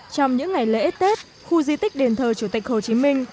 trong những ngày lễ tết khu di tích đền thờ chủ tịch hồ chí minh